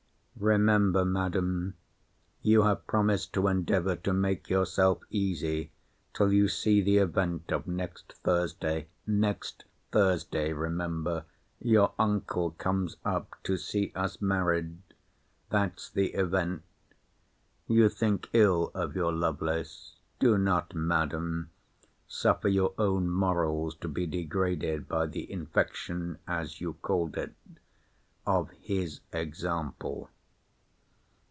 Remember, Madam, you have promised to endeavour to make yourself easy till you see the event of next Thursday—next Thursday, remember, your uncle comes up, to see us married—that's the event.—You think ill of your Lovelace—do not, Madam, suffer your own morals to be degraded by the infection, as you called it, of his example.